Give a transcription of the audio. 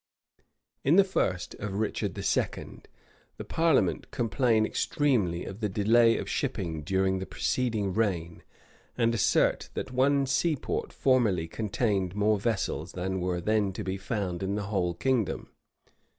[] In the first of Richard II., the parliament complain extremely of the decay of shipping during the preceding reign, and assert that one seaport formerly contained more vessels than were then to be found in the whole kingdom.